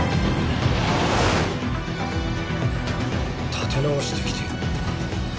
立て直してきている。